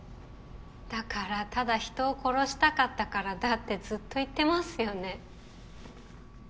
だからただ人を殺したかったからだってずっと言ってますよね。